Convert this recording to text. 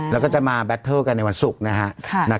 แล้วก็จะมาแบตเทิลกันในวันศุกร์นะฮะ